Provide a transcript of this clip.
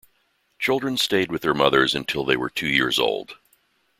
Children stayed with their mothers until they were two years old.